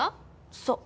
そう。